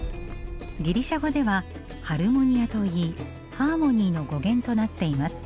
ギリシャ語ではハルモニアといいハーモニーの語源となっています。